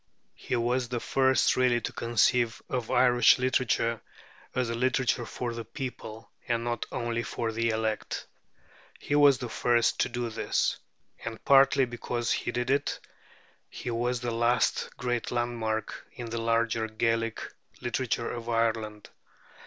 He was the first really to conceive of Irish literature as a literature for the people, and not only for the elect. He was the first to do this; and partly because he did it, he was the last great landmark in the larger Gaelic literature of Ireland.